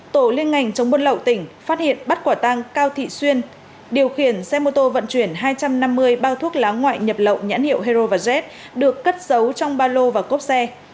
tổ liên ngành chống buôn lậu tỉnh phát hiện bắt quả tăng cao thị xuyên điều khiển xe mô tô vận chuyển hai trăm năm mươi bao thuốc lá ngoại nhập lậu nhãn hiệu hero và jet được cất giấu trong ba lô và cốp xe